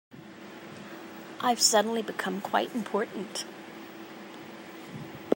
I've suddenly become quite important.